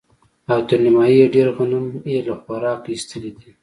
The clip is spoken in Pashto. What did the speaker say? او تر نيمايي ډېر غنم يې له خوراکه ايستلي دي.